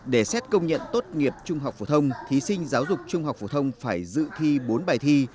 để xét công nhận tốt nghiệp trung học phổ thông thí sinh giáo dục trung học phổ thông phải dự thi bốn bài thi